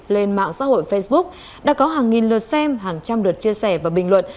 lên mạng xã hội facebook đã có hàng nghìn lượt xem hàng trăm lượt chia sẻ và bình luận